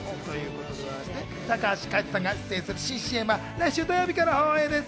高橋海人さんが出演する新ＣＭは来週土曜日から放映です。